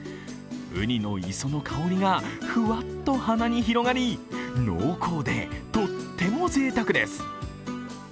うにの磯の香りがふわっと鼻に広がり濃厚でとってもぜいたくです。